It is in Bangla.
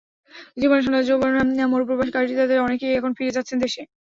জীবনের সোনালি যৌবন মরু প্রবাসে কাটিয়ে তাদের অনেকেই এখন ফিরে যাচ্ছেন দেশে।